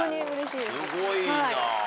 すごいな。